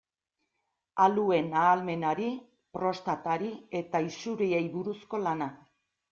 Aluen ahalmenari, prostatari eta isuriei buruzko lana.